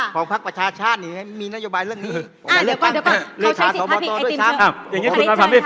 ภักดิ์ประชาชาติมีนโยบายเรื่องนี้